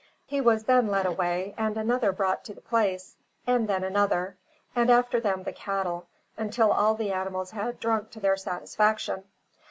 He was then led away and another brought to the place, and then another, and after them the cattle, until all the animals had drunk to their satisfaction.